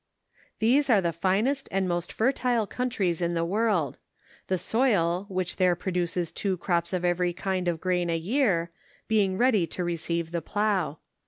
These are the finest and most fertile countries in the world; the soil, which there produces two crops of every kind of grain a year, being ready to receive the plough.